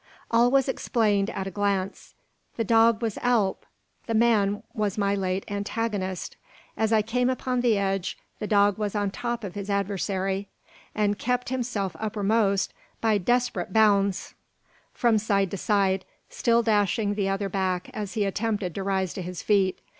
All was explained at a glance. The dog was Alp; the man was my late antagonist! As I came upon the edge, the dog was on the top of his adversary, and kept himself uppermost by desperate bounds from side to side, still dashing the other back as he attempted to rise to his feet.